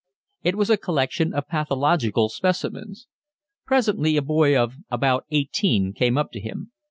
It was a collection of pathological specimens. Presently a boy of about eighteen came up to him.